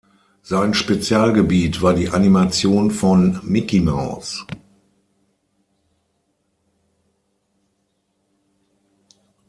Sein Spezialgebiet war die Animation von Micky Maus.